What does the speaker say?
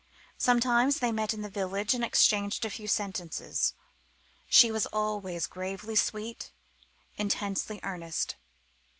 Sometimes they met in the village and exchanged a few sentences. She was always gravely sweet, intensely earnest.